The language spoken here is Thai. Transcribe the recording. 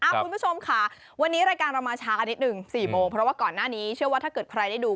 คุณผู้ชมค่ะวันนี้รายการเรามาช้ากันนิดนึง๔โมงเพราะว่าก่อนหน้านี้เชื่อว่าถ้าเกิดใครได้ดู